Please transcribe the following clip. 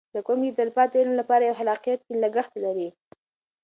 زده کوونکي د تلپاتې علم لپاره په خلاقیت کې لګښته لري.